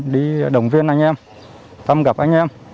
đi đồng viên anh em tâm gặp anh em